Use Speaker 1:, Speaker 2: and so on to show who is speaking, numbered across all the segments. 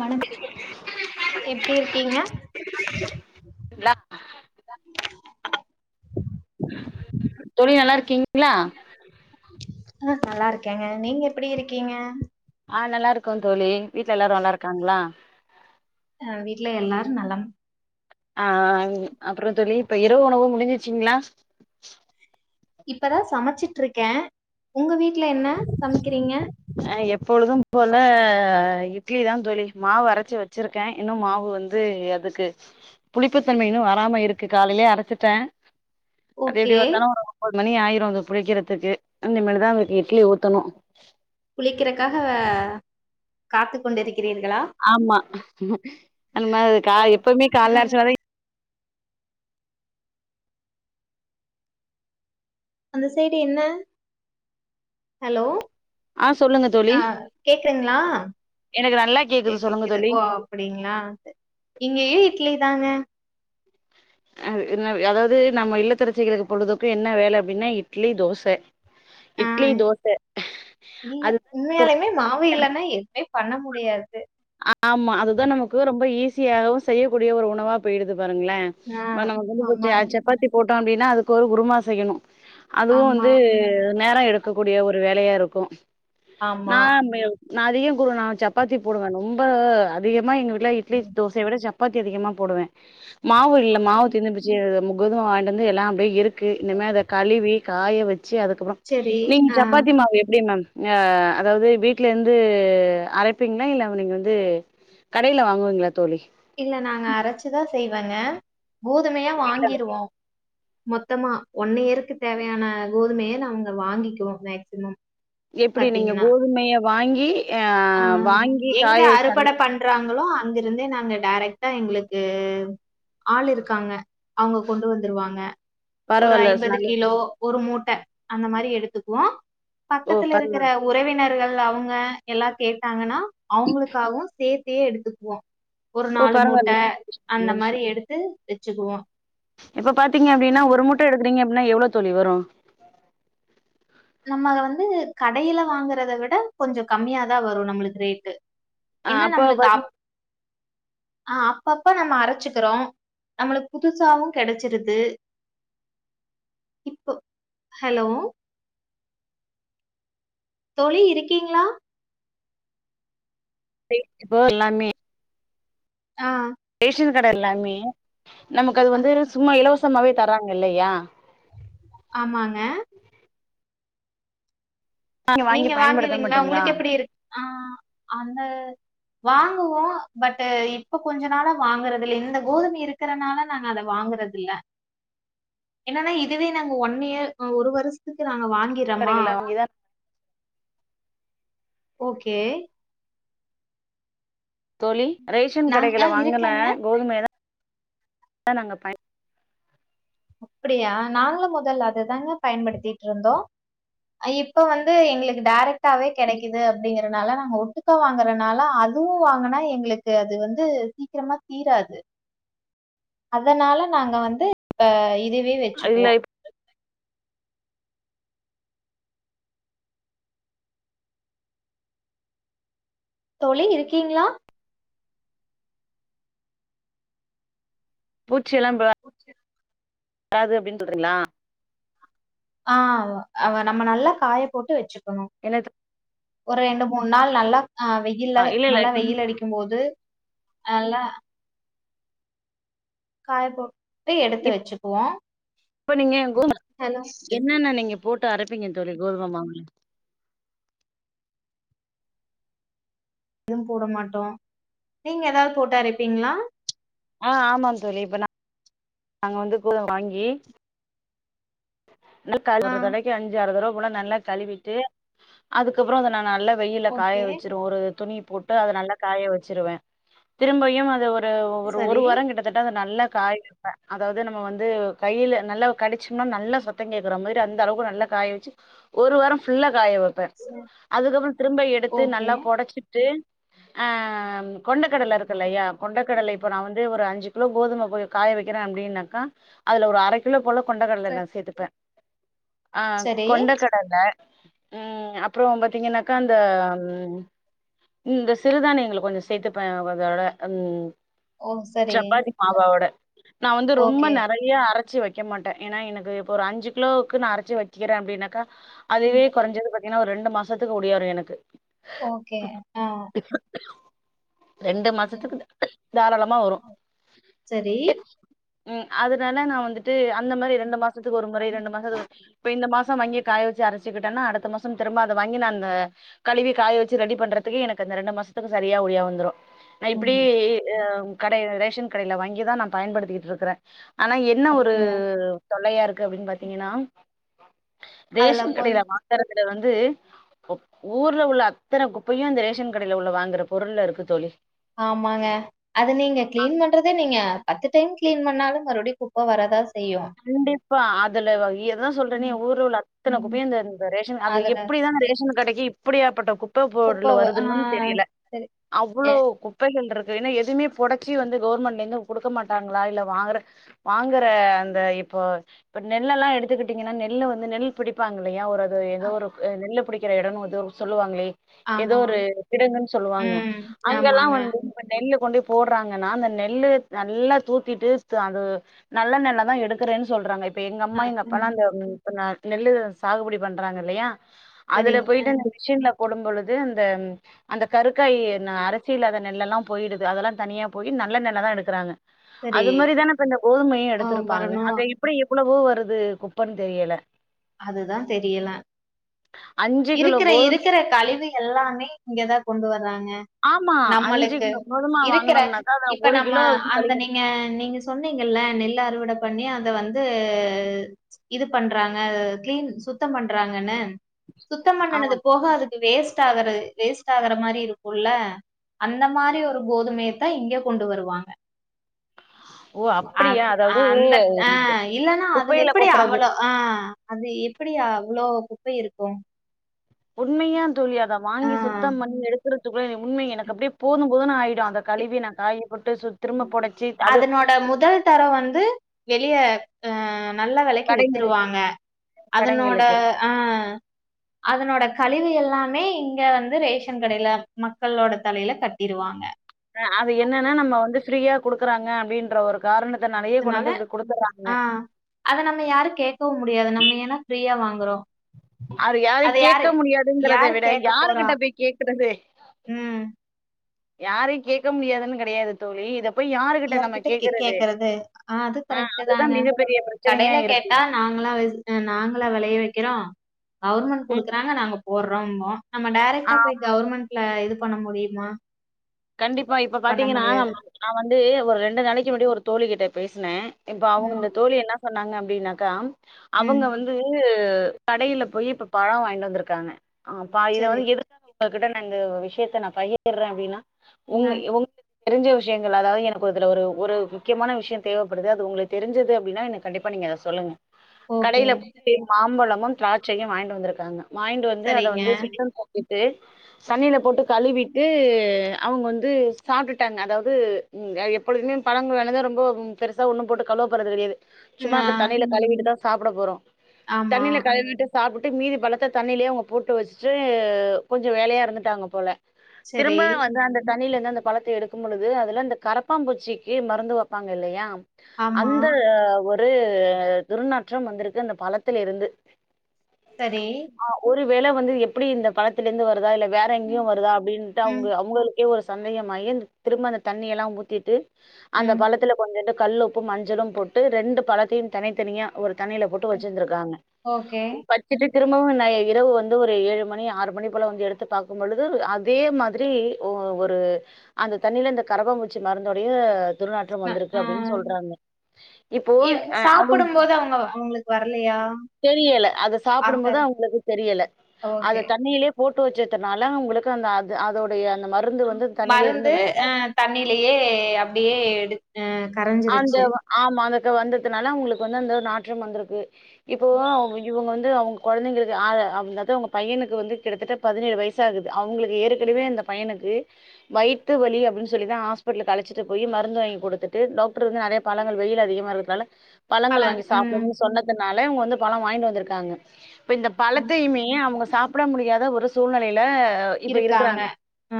Speaker 1: வணக்கம் எப்டி இருக்கீங்க
Speaker 2: நா தோழி நல்லா இருக்கீங்
Speaker 1: ஆ நல்லா இருக்கேங்க நீங்க எப்டி இருக்கீங்க
Speaker 2: ஆ நல்லா இருக்கோ தோழி வீட்டு்ல எல்லாரு நல்லா இருக்காங்களா
Speaker 1: அ வீட்ல எல்லாரு நலம்
Speaker 2: ஆ அப்புறோ தோழி இப்ப இரவு உணவு முடிஞ்ச்சீச்சுங்களா
Speaker 1: இப்பதா சமச்சிட்ருக்கேன் உங்க வீட்டுல என்ன சமைக்கிறீங்க
Speaker 2: அ எப்பொழுதும் போல இட்லிதா தோழி மாவு அரைச்சு வச்சிருக் க்கே இன்னு மாவு வந்து அதுக்கு புளிப்புத்தன்மை இன்னு வராம இருக்கு காலையிலயே அரச்சிட்டே அது
Speaker 1: ஓகே
Speaker 2: எப்டியு [unintelligible] மணி ஆயிரு அது புலிக்கிறதுக்கு இனிமேதா அவ்ங்கக்கு இட்லி ஊத்தணு
Speaker 1: புளிக்கிறக்காக காத்து கொண்டிருக்கிறீர்களா
Speaker 2: ஆமா அம
Speaker 1: ஓ
Speaker 2: காய் எப்பமே கால்ல அரச்ச வரை
Speaker 1: அந்த சைடு என்ன ஹலோ
Speaker 2: ஆ சொல்லுங்க தோழி
Speaker 1: அ கேக்குங்களா
Speaker 2: எனக்கு நல்லா கேக்குது சொல்லுங்க தோழி
Speaker 1: அப்டிங்களா இங்கயேயு இட்லி தாங்க
Speaker 2: அ இன்ன அதாவது நம்ம இல்லத்தரசிகளுக்கு பொழுதுக்கு என்ன வேல அப்டின்னா இட்லி தோச
Speaker 1: ஆ
Speaker 2: இட்லி தோச
Speaker 1: நிங்க
Speaker 2: அதுதான் நமக்கு
Speaker 1: உண்மையாலயுமே மாவு இல்லன்னா எதுவுமே பண்ண முடியாது
Speaker 2: ஆமா அதுதா நமக்கு ரொம்ப ஈஸியாகவு செய்யக்கூடிய ஒரு உணவா போயிடுது பாருங்களே
Speaker 1: ஆ
Speaker 2: அம்ம நமக்கு வந்து
Speaker 1: ஆமாங்க
Speaker 2: [unintelligible] சப்பாத்தி போட்டோ அப்டின்னா அதுக்கு ஒரு குருமா செய்யணு அதுவு
Speaker 1: ஆமா
Speaker 2: வந்து நேர எடுக்கக்க கூடிய ஒரு வேலையா இருக்கு நா
Speaker 1: ஆமா
Speaker 2: நா அதிகோ குரு நா சப்பாத்தி போடுவே ரொம்ப அதிகமா எங்க வீட்ல இட்லி தோசைய விட சப் சப்பாத்தி அதிகமா போடுவே மாவு இல்ல மாவு
Speaker 1: ம்.
Speaker 2: தீந்து போச்சு கோதுமை வாங்கிட் வந்து எல்லா அப்படியே இருக்கு இனிமே அத கழுவி காய வச்சு [unintelligible] அதுக்கப்புற
Speaker 1: சரி
Speaker 2: நீங்க
Speaker 1: ஆ
Speaker 2: சப்பாத்தி மாவு அதாவது வீட்ல இருந்து அரைப்பீங்களா இல்ல இப்ப நீங்க வந்து கடைல வாங்குவீங்ளா தோழி
Speaker 1: இல்ல நாங்க அரைச்சுதா செய்வங்க கோதுமைய வாங்கிருவோ மொத்தமா ஒன் இயருக்கு தேவையான கோதுமைய நா அவுங்க வாங்கிக்குவோ மேக்சிமம்
Speaker 2: எப்டி நீங்க கோதுமைய வாங்கி அ
Speaker 1: ஆ
Speaker 2: வாங்கி
Speaker 1: எங்க
Speaker 2: காய வச்சு [inaudible]
Speaker 1: அறுவடை பண்றாங்களோ அங்க இருந்தே நாங்க டைரக்டா எங்களுக்கு ஆள் இருக்காங்க அவங்க கொண்டு வந்துருவாங்க ஒரு
Speaker 2: பரவால்ல
Speaker 1: ஐம்பது
Speaker 2: நல்ல விஷ்
Speaker 1: கிலோ ஒரு மூட்டை அந்த மாரி எடுத்துக்குவோ
Speaker 2: ஓ
Speaker 1: பக்கத்துல இருக்கிற
Speaker 2: பரவால்ல
Speaker 1: உறவினர்கள் அவங்க எல்லா கேட்டாங்கன்னா அவங்களுக்காகவு சேர்த்தையே எடுத்துக்குவோ ஒரு
Speaker 2: ஓ
Speaker 1: நாலு
Speaker 2: பரவால்ல
Speaker 1: மூட்ட அந்த
Speaker 2: நல்ல விஷயோ
Speaker 1: மாரி எடுத்து வச்சுக்குவோ
Speaker 2: இப்ப பாத்திங்கனா அப்டினி ஒரு முட்டை எடுக்குறேங்கன எவ்வளோ தொழி வரும்
Speaker 1: நம்ம வந்து கடையில வாங்கறத விட கொஞ்சோ கம்மியாதா வரும் நம்மளுக்கு ரேட்டு
Speaker 2: ஆ
Speaker 1: என்ன
Speaker 2: அப்போ
Speaker 1: நம்ளுக்கு அப்
Speaker 2: [inaudible]
Speaker 1: ஆஹ் அப்பப்பா நம்ம அரைச்சுக்கிறோ நம்ளுக்கு புதுசாவு கெடச்சிருது இப்போ ஹலோ தோழி இருக்கீங்ளா
Speaker 2: இப்போ எல்லாமே
Speaker 1: ஆஹ்
Speaker 2: ரேஷன் கடை எல்லாமே நமக்கு அது வந்து சும்மா இலவசமாவே தராங்க இல்லையா
Speaker 1: ஆமாங்க
Speaker 2: வாங்கி
Speaker 1: நீங்க
Speaker 2: பயன்படுத்த
Speaker 1: வாங்குவீங்ளா
Speaker 2: மாட்டீங்களா
Speaker 1: உங்ளுக்கு எப்படி இருக் ஆ அந்த வாங்குவோ பட் இப்ப கொஞ்சோ நாளா வாங்குறது இல் இந்த கோதுமை இருக்கு இருக்குறனால நாங்க அத வாங்குறது இல்ல
Speaker 2: [inaudible]
Speaker 1: என்னன்னா இதுவே நாங்க ஒன் இயர் ஒரு வருஷத்துக்கு நாங்க வாங்க
Speaker 2: [unintelligible]
Speaker 1: ஓகே
Speaker 2: தோழி ரேஷன்
Speaker 1: நாங்க
Speaker 2: கடைகள
Speaker 1: ஆ
Speaker 2: வாங்கின
Speaker 1: இருக்கேங்க.
Speaker 2: கோதுமை தா நாங்க பயன
Speaker 1: அப்படியா நாங்களு முதல அதுதாங்க பயன்படுத்திட்டு இருந்தோ இப்ப வந்து எங்களுக்கு டேரெக்ட்டாவே கெடைக்குது அப்படிங்கறனால நாங்க ஒட்டு கோ வாங்கறனால அதுவு வாங்குனா எங்களுக்கு அது வந்து சீக்கிரமா தீராது அதனால நாங்க வந்து இதுவே வச்சுக்குவோ
Speaker 2: அதுல
Speaker 1: தோழி இருக்கீங்ளா
Speaker 2: பூச்சி எல்லா
Speaker 1: ஓ செரிங்
Speaker 2: பத்தாது அப்டின் சொல்றீங்ளா
Speaker 1: ஆ அவ நம்ம நல்லா காய போட்டு வச்சுக்கணு
Speaker 2: என்ன எத்
Speaker 1: ஒரு ரெண்டு மூணு நாள் நல்லா அ வெயில்ல
Speaker 2: இல்ல இல்ல
Speaker 1: நல்லா வெயில் அடிக்கு போது நல்லா காய போட்டு எடுத்து வச்சுக்குவோ
Speaker 2: இப்ப நீங்க கோதும என்னன்ன நீங்க போட்டு அரப்பீங்க தோழி கோதும மாவுல
Speaker 1: எதுவு போட மாட்டோ நீங்க எதாவது போட்டா அரப்பீங்ளா
Speaker 2: ஆ ஆமாம் தோழி இப்ப நா நாங்க வந்து கோதும வாங்கி
Speaker 1: ஆ.
Speaker 2: ஒரு தடவைக்கு அஞ்சு ஆறு தடவ போல நல்லா கழுவிட்டு அதுக்கப்பறோ அத நா நல்லப் வெயில்ல காய
Speaker 1: ஓகே.
Speaker 2: வச்சுரு ஒரு துணி போட்டு அத நல்லா காய வச்சுருவே திரும்பையு அத ஒரு வ ஒரு ஒரு
Speaker 1: சரி.
Speaker 2: வார கிட்ட கிட்ட தட்ட அது நல்ல காய வெப்ப அதாவது நம்ம வந்து கைல நல்ல கடிச்சம்னா நல்ல சத்தம் கேட்குற மாதிரி அந்த அளவுக்கு நல்ல காய வச்சு ஒரு வாரம் ஃபுல்லா காய வைப் ப்ப அதுக்கப்பறோ திரும்ப எடுத்து நல்லா பொடச்சுட்டு ஆ கொண்டக்கடல இருக்குல்லையா கொண்டக்கடல இப்போ நா வந் இதே ஒரு அஞ்சு கிலோ கோதும கொஞ்சோ காய வைக்கிறே அப்டின்னாக்கா அதுல ஒரு அரக் கிலோ போல கொண்ட கடலைலா த்துப்பே ஆ கொண்டக் கடல, ம், அப்பறோ பாத்தீங்கனாக்கா அந்த, ம் ம், இந்த சிறுதானியங்கள கொஞ்சோ சேத்துப்பே அதோட, ம், சப்பாத்தி மாவவோட நா வந்து ரொம்ப நறைய அரைச்சி வைக் வைக்க மாட்டே ஏன்ன எனக்கு இப்போ ஒரு அஞ்சு கிலோவுக்கு நா அரச்சி வைக்கிறே அப்டின்னாக்கா அதுவே கொறைஞ்சது பாத்தீங்கனா ஒரு ரெண்டு மாசத்துக்கு ஓடியாரு எனக்கு
Speaker 1: ஓகே ஆ
Speaker 2: ரெண்டு மாசத்துக்கு தாராளமா வரு
Speaker 1: சரி
Speaker 2: ம், அதுனால நா வந்துட்டு அந்த மாரி ரெண்டு மாசத்துக்கு ஒரு முறை ரெண்டு மாசத்துக்கு ஒரு இப்ப இந்த மாசோ வாங்கி காய வச்சு அரச்சுக்கிட்டேன்னா அடுத்த மாசம் திரும்ப அத வாங்கி நானு கழுவி காய வச்சு ரெடி பண்றதுக்கு எனக்கு அந்த ரெண்டு மாசத்துக்கு சரியா ஓடியா வந்துரு நா இப்படி
Speaker 1: ம்
Speaker 2: அ கடை ரேஷன் கடையில வாங்கிதா நா பயன்படுத்திட்டு இருக்குறே ஆனா என்ன ஒரு
Speaker 1: அப்டியா
Speaker 2: தொல்லையா இருக்கு அப்டின்னு பாத்தீங்கனா
Speaker 1: அதுல
Speaker 2: ரேசன்
Speaker 1: கொஞ்
Speaker 2: கடையில வாங்குறதுல வந்து ஊ ஊர்ல உள்ள அத்தன குப்பையு இந்த ரேஷன் கடையில உள்ள வாங்குற பொருள்ல இருக்கு தோழி
Speaker 1: ஆமாங்க அது நீங்க கிளீன் பண்றதே நீங்க பத்து டைம் கிளீன் பண்ணாலு மறுபடியு குப்ப வராதா செய்
Speaker 2: கண்டிப்பா, அதுல இததா சொல்றனே ஊர்ல உள்ள அத்தன குப்பையு அந்த அந்த ரேஷன் அந்த
Speaker 1: அதுல
Speaker 2: எப்புடிதா அந்த ரேஷன் கடைக்கு இப்படியாப்பட்ட குப்ப பொருள் வருதுன்னு தெரியல
Speaker 1: சரி எ
Speaker 2: அவ்ளோ குப்பைகள் இருக்கு என்னா எதுமே பொடச்சி வந்து கவர்மெண்ட்லேந்து குடுக்க மாட்டாங்களா இல்ல வாங்கற வாங்குற அந் இந்த இப்போ இப்ப நெல்ல எல்லா எடுத்துக்கிட்டீங்கனா நெல்ல வந்து நெல் பிடிப்பாங்க இல்லையா ஒரு அது ஏதோ ஒரு அ நெல்லு புடிக்கிற எடோனு வந்து ஒரு சொல்லுவாங்களே ஏதோ
Speaker 1: ஆமா
Speaker 2: ஒரு கிடங்குனு சொல்லுவாங்க
Speaker 1: ம்
Speaker 2: அங்கல்லா
Speaker 1: ஆமாங்க
Speaker 2: வந்து இப்ப நெல்லு கொண்டு போய் போடுறாங்கனா அந்த நெல்லு நல்லா தூத்திட்டு அது நல்ல நெல்லாதா எடுத் எடுக்குறேன்னு சொல்றாங்க இப்ப எங்க அம்மா எங்க அப்பா
Speaker 1: ம்,
Speaker 2: அந்த நெல்லு சாகுபடி பண்றாங்க இல்லையா அதுல
Speaker 1: சரிங்க
Speaker 2: போயிட்டு அந்த மிஷின்ல போடும் பொழுது அந்த அந்த கருக்காயி நெ அரிசியில்லாத நெல்லு எல்லா போயிடுது அதெல்லா தனியா போய் நல்ல நெல்லதா எடுக்கறாங்க
Speaker 1: சரி
Speaker 2: அது மாரிதானே இப்ப இந்த கோதுமையு
Speaker 1: ஆ
Speaker 2: எடுத்திருப்பாங்க
Speaker 1: வரணு
Speaker 2: அதை இப்டியே எவ்ளவோ வருது குப்பன் தெரியல
Speaker 1: அதுதா தெரியல
Speaker 2: அஞ்சு கிலோ
Speaker 1: இருக்கற
Speaker 2: கோதும
Speaker 1: இருக்கற கழுவி எல்லாமே இங்கதா கொண்டு வறாங்க
Speaker 2: ஆமா அஞ்சு
Speaker 1: நம்ளுக்கு
Speaker 2: கிலோ கோதும
Speaker 1: இருக்கிற
Speaker 2: வாங்கனோம்னாக்கா அத
Speaker 1: இப்ப
Speaker 2: ஒரு
Speaker 1: நம்ம
Speaker 2: கிலோ வந்து
Speaker 1: அந்த
Speaker 2: கழிவு
Speaker 1: நீங்க நீங்க சொன்னிங்கல்ல நெல் அறுவட பண்ணி அத வந்து இது பண்றாங் ஆ கிளீன் சுத்தம் பண்றாங்கன்னு சுத்தம்
Speaker 2: ஆமா
Speaker 1: பண்ணனது போகாது வேஸ்ட் ஆவற வேஸ்ட் ஆவற மாரி இருக்குல அந்த மாரி ஒரு கோதுமையத்தா இங்க கொண்டு வருவாங்க
Speaker 2: ஓ
Speaker 1: அ
Speaker 2: அப்டியா அதாவ்து
Speaker 1: அந்த ஆ இல்லன்னா அதுல
Speaker 2: குப்பையில
Speaker 1: எப்படி
Speaker 2: கொட்றது
Speaker 1: அவ்வளோ ஆ அது எப்டி அவ்ளோ குப்பை இருக்கு
Speaker 2: உண்மையா தோழி அத
Speaker 1: ஆ
Speaker 2: வாங்கி சுத்தம் பண்ணி எடுக்குறத் [unintelligible] உண்மைங்க எனக்கு அப்டியே போது போதுனு ஆயிடு அத கழுவி நா காயப்போட்டு சுத்
Speaker 1: அதனோட முதல் தர வந்து வெளிய அ நல்ல வெலைக்கு
Speaker 2: கடைங்களுக்கு
Speaker 1: வித்துருவாங்க அதனோட
Speaker 2: கடைங்களுக்கு
Speaker 1: ஆ அதனோட கழிவு எல்லாமே இங்க வந்து ரேஷன் கடையில மக்களோட தலையில கட்டிருவாங்க
Speaker 2: ஆ அது என்னன்னா நம்ம வந்து ஃப்ரீயா குடுக்குறாங்க அப்டின்ற ஒரு காரணத்துனாலையே
Speaker 1: அதனால
Speaker 2: கொண்டாந்து இப்டி குடுத்துறாங்க
Speaker 1: ஆ அத நம்ம யாரு கேட்கவு முடியாது நம்ம ஏனா ஃப்ரீயா வாங்குறோ
Speaker 2: அது யாரு கேட்க முடியாதுங்கறத
Speaker 1: யாரு
Speaker 2: விட
Speaker 1: கேட்க போறா?
Speaker 2: யாருகிட்ட போய் கேக்குறது
Speaker 1: ம்
Speaker 2: யாரையு கேக்க முடியாதுனு கெடையாது தோழி இத போய் யாருகிட்ட நம்ம
Speaker 1: யார்கிட்ட கே
Speaker 2: கேக்குறது
Speaker 1: கேட்கறது? அது
Speaker 2: ஆ
Speaker 1: கரெக்ட்டு
Speaker 2: அதுதா
Speaker 1: தாங்க.
Speaker 2: மிகப்பெரிய பிரச்சனையா
Speaker 1: கடையில
Speaker 2: இருக்கு
Speaker 1: கேட்டா நாங்களா வெச் நாங்களா வெளைய வெக்கிறோ கவர்மெண்ட் குடுக்குறாங்க நாங்க போட்றோம்போ நம்ம டேரெக்டா
Speaker 2: உம்
Speaker 1: போய் கவர்மெண்ட்ல இது பண்ண முடியுமா
Speaker 2: கண்டிப்பா இப்ப
Speaker 1: பண்ண
Speaker 2: பாத்தீங்கன்னா
Speaker 1: முடியாது.
Speaker 2: நா வந்து ஒரு ரெண்டு நாளைக்கு முன்னாடியே ஒரு தோழி கிட்ட பேசுனே இப்ப
Speaker 1: ம்.
Speaker 2: அவுனுங்க தோழி என்னா பண்ணாங்க அப்டின்னாக்கா
Speaker 1: ம்.
Speaker 2: அவங்க வந் அது கடையில போய் இப்ப பழோ வாங்கிட்டு வந்திருக்காங்க பாதி இத
Speaker 1: சரி.
Speaker 2: வந்து எடுத் ஒங்ககிட்ட நாங்க விஷயத்த நா பகிர்றே அப்டின்னா ஒங்க
Speaker 1: அ
Speaker 2: ஒங்க தெரிஞ்ச விஷயங்கள் அதாவ் எனக்கு அதுல ஒரு ஒரு முக்கியமான விஷயோ தேவப்படுது அது உங்களுக் தெரிஞ்சது அப்டின்னா எனக் கண்டிப்பா நீங்க அத சொல்லுங்க
Speaker 1: ஓகே.
Speaker 2: கடைல போயி மாம்பழமும் திராட்சையு வாங்கிட்டு வந்துருக்காங்க வாங்கிட்டு வந்து அத
Speaker 1: சரிங்க.
Speaker 2: வந்து [unintelligible] போட்டுட்டு தண்ணில போட்டு
Speaker 1: ம்.
Speaker 2: கழுவிட்டு அவங்க வந்து சாப்ட்டுட்டாங்க அதாவ்து எப்பொழுதுமே பழங்கள் வாங்கிட்டு வந்தா ரொம்ப பெருசா ஒன்னு போட்டு கழுவ போறது கெடையாது சும்மா
Speaker 1: ஆ-
Speaker 2: அதுக் தண்ணில கழுவிட்டுதா சாப்ட போறோ
Speaker 1: ஆமா.
Speaker 2: தண்ணில கழுவிட்டு சாப்புட்டு மீதி பழத்த தண்ணிலே அவங்க போட்டு வச்சுட்டு கொஞ்ச வேலையா இருந்துட்டாங்க போல
Speaker 1: சரி.
Speaker 2: திரும்ப வந் வந்து அந்த தண்ணில இருந்து அந்த பழத்த எடுக்கும் பொழுது அதுல அந்த கரப்பாம்பூச்சிக்கு மருந்து வெப்பாங்க இல்லையா
Speaker 1: ஆமா.
Speaker 2: அந்த ஒரு துர்நாற்றம் வந்துருக்கு அந்த பழத்துல இருந்து
Speaker 1: சரி
Speaker 2: ஆ ஒரு வேள வந்து எப்டி இந்த பழத்துலருந்து வருதா இல்ல வேற எங்கேயு வருதா அப்டின்ட்டு
Speaker 1: ம்.
Speaker 2: அவ்ங்க அவுங்களுக்கே ஒரு சந்தேகமாயி அந்த திரும்ப அந்த தண்ணியெல்லா ஊத்திட்டு அந்த
Speaker 1: ம்.
Speaker 2: பழத்துல கொஞ்சூண்டு கல்லுப்பும் மஞ்சளு போட்டு ரெண்டு பழத்தையும் தனித்தனியா ஒரு தண்ணில போட் ட்டு வச்சிருந்திருக்காங்க
Speaker 1: ஓகே.
Speaker 2: ப வெச்சுட்டு திரும்பவு நா இரவு வந்து ஒரு ஏழு மணி ஆறு மணி போல வந்து எடுத்து பார்க்கும்பொழுது அதே மாதிரி ஓ ஒரு அந்த தண்ணியில இந்த கரப்பாபூச்சி மருந்தோடைய துர்நாற்றம்
Speaker 1: ந
Speaker 2: வந்திருக்கு
Speaker 1: ஆ
Speaker 2: அப்டின் சொல்றாங்க இப்போ
Speaker 1: எ
Speaker 2: அவுங்
Speaker 1: சாப்பிடும்போது அவங்க அவங்களுக்கு வரலையா?
Speaker 2: தெரியல அத
Speaker 1: ஆத்த
Speaker 2: சாப்டம்போது அவுங்ளுக்கு தெரியல அத
Speaker 1: ஓகே.
Speaker 2: தண்ணிலே போட்டு வச்சதுனால அவுங்களுக்கு அந்த அது அதோடைய அந்த ம
Speaker 1: மரந்து அ தண்ணியிலேயே அப்டியே எடுத்
Speaker 2: அந்த ஆமா அந்த கு வந்தத்துனால உங்களுக்கு வந்து அந்த நாற்றம் வந்துருக்கு இப்போ எ இவுங்க வந்து அவுங்க கொழந்தைங்களுக்கு ஆக அதாவ்து அவுங்க பையனுக் வந்து கிட்டத்தட்ட பதினேழு வய்சாகுது அவுங்களுக்கு ஏற்கனவே அந்த பையனுக்கு வைத்து வலி அப்டின் சொல்லிதா ஹாஸ்பெட்லுக்கு அழச்சிட்டு போயி மருந்து வாங்கி குடுத்துட்டு டாக் ட்ருங்க அதே பழங்கள் வெயில் அதிகமா இருக்கற்தால பழங்கள்
Speaker 1: பழம்.
Speaker 2: வாங்கி
Speaker 1: ம்.
Speaker 2: சாப்பட்ணு சொன்ன அதுனால இவுங்க வந்து பழோ வாய்ங்ட்டு வந்துருக்காங்க இப்ப இந்த
Speaker 1: அ
Speaker 2: பழத்தையுமே அவுங்க சாப் பிட முடியாத ஒரு சூழ்நெலைல இப்ப
Speaker 1: இருக்காங்க.
Speaker 2: இருக்கறாங்க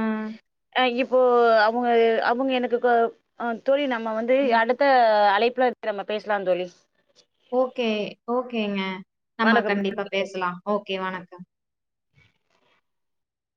Speaker 1: ம்.
Speaker 2: ஆ இப்போ அவுங்க அவுங்க எனக்கு க தோழி நம்ம வந்து அடுத் த்த அழைப்புல நம்ம பேஸ்லா தோழி
Speaker 1: ஓகே ஓகேங்க நம்ம
Speaker 2: வணக்கம்
Speaker 1: கண்டிப்பா பேசலா ஓகே வணக்கம்